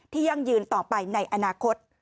ยั่งยืนต่อไปในอนาคต